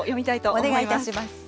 お願いいたします。